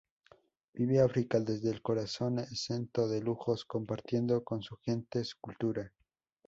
Vive África desde el corazón, exento de lujos; compartiendo con su gente su cultura.